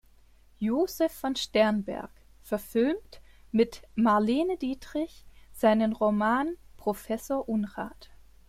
Josef von Sternberg verfilmt mit Marlene Dietrich seinen Roman Professor Unrat.